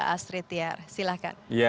astrid tiar silahkan